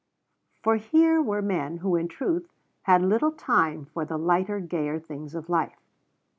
For here were men who in truth had little time for the lighter, gayer things of life.